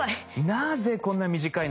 なぜこんな短いのか？